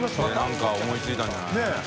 燭思いついたんじゃない？ねぇ。